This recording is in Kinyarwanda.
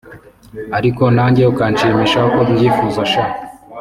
ariko nanjye ukanshimisha uko mbyifuza sha”